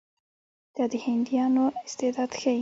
دا د هندیانو استعداد ښيي.